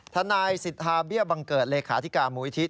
ทนายสิทธาเบี้ยบังเกิดเลขาธิการมูลิธิ